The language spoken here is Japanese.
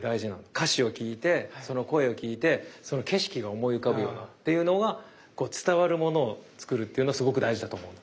歌詞を聴いてその声を聴いてその景色が思い浮かぶようなっていうのがこう伝わるものを作るっていうのすごく大事だと思うの。